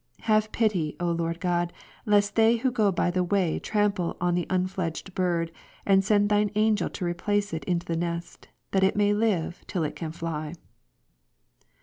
Have pity, O Lord God, lest they who go by the way trample on the unfledged bird, and send Thine angel ' to replace it into the nest, that it may live, till it can fly.